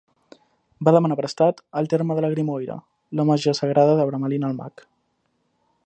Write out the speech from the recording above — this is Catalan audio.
Va demanar prestat el terme de la Grimoire "la màgia Sagrada de Abramelin el Mag".